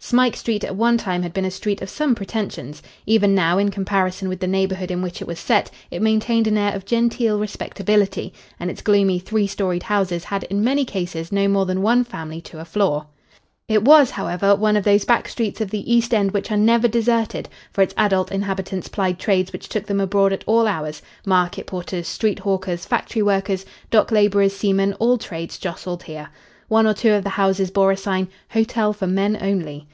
Smike Street at one time had been a street of some pretensions. Even now, in comparison with the neighbourhood in which it was set, it maintained an air of genteel respectability, and its gloomy three storeyed houses had in many cases no more than one family to a floor. It was, however, one of those back streets of the East End which are never deserted, for its adult inhabitants plied trades which took them abroad at all hours market porters, street hawkers, factory workers, dock labourers, seamen, all trades jostled here. One or two of the houses bore a sign, "Hotel for Men Only."